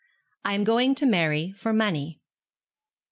'I AM GOING TO MARRY FOR MONEY.'